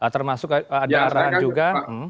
termasuk ada arahan juga